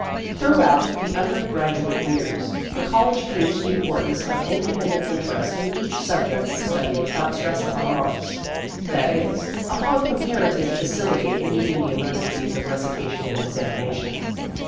Throughout the undergraduate years, the college preached the importance of independent interest in each subject of study without stress upon marks that is, upon compara tive facility in meeting the emergencies of recitation and examination.